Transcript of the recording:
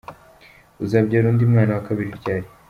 Uzabyara undi mwana wa kabiri ryari ?.